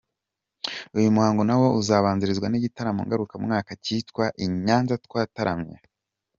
Uyu muhango na wo uzabanzirizwa n’igitaramo ngarukamwaka cyitwa ’I Nyanza Twataramye’.